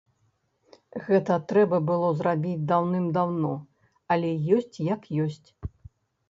Гэта трэба было зрабіць даўным-даўно, але ёсць як ёсць.